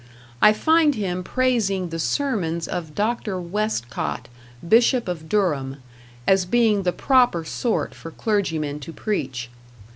I find him praising the sermons of Dr. Westcott, Bishop of Durham, as being the proper sort for clergymen to preach.